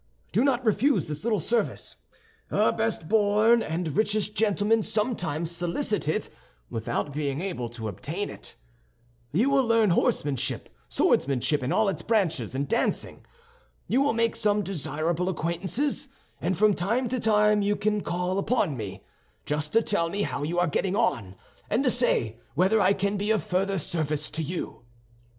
Do not refuse this little service. Our best born and richest gentlemen sometimes solicit it without being able to obtain it. You will learn horsemanship, swordsmanship in all its branches, and dancing. You will make some desirable acquaintances; and from time to time you can call upon me, just to tell me how you are getting on, and to say whether I can be of further service to you."